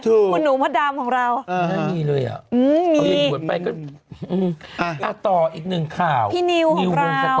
คุณหนูพระดามของเราน่าต่ออีกหนึ่งข่าวพี่นิวของเรา